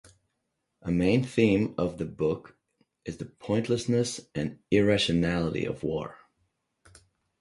A main theme of the book is the pointlessness and irrationality of war.